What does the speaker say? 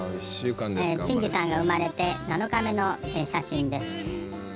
しんじさんが生まれて７日目の写真です。